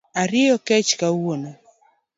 Ariyo kech kawuono